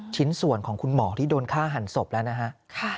ชิ้นส่วนของคุณหมอที่โดนฆ่าหันศพแล้วนะฮะ